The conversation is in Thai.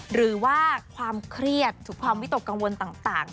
หรือว่าความเครียดถึงความวิตกกังวลต่าง